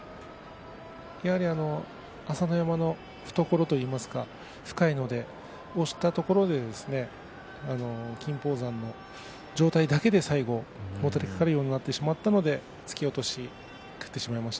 やはり朝乃山の懐といいますか深いので落ちたところで金峰山の上体だけで最後もたれ掛かるようになってしまったので突き落としになってしまいました。